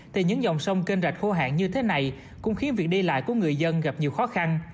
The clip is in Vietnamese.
thì những dòng sông kênh rạch khô hạn như thế này cũng khiến việc đi lại của người dân gặp nhiều khó khăn